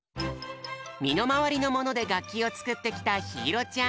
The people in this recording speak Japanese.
みのまわりのものでがっきをつくってきたひいろちゃん。